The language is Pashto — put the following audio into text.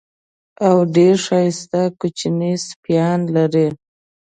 او ډېر ښایسته کوچني سپیان لري.